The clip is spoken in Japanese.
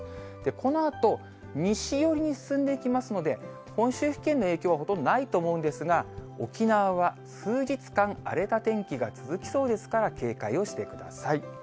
このあと、西寄りに進んでいきますので、本州付近への影響はほとんどないと思うんですが、沖縄は数日間、荒れた天気が続きそうですから、警戒をしてください。